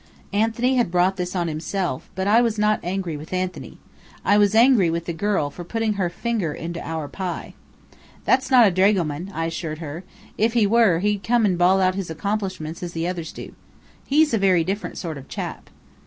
Anthony had brought this on himself, but I was not angry with Anthony. I was angry with the girl for putting her finger into our pie. "That's not a dragoman," I assured her. "If he were, he'd come and bawl out his accomplishments, as the others do. He's a very different sort of chap."